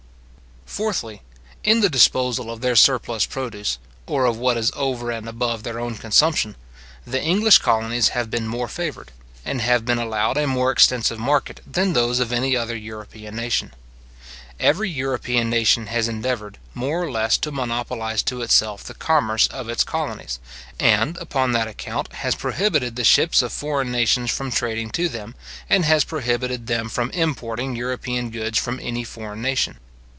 Fourthly, In the disposal of their surplus produce, or of what is over and above their own consumption, the English colonies have been more favoured, and have been allowed a more extensive market, than those of any other European nation. Every European nation has endeavoured, more or less, to monopolize to itself the commerce of its colonies, and, upon that account, has prohibited the ships of foreign nations from trading to them, and has prohibited them from importing European goods from any foreign nation.